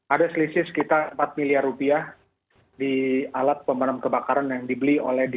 ada selisih sekitar empat miliar rupiah di alat pemadam kebakaran yang dibeli oleh dpd